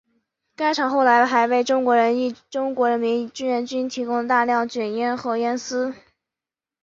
该厂后来还为中国人民志愿军提供了大量卷烟和烟丝。